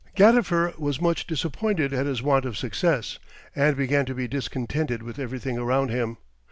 Gadifer was much disappointed at his want of success, and began to be discontented with everything around him.